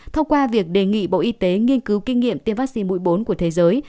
thông qua việc đề nghị bộ y tế nghiên cứu kinh nghiệm tiêm vaccine mũi bốn của thế giới